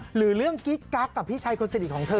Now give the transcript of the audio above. หรือเรื่องกิ๊กกักกับพี่ชายคนสนิทของเธอ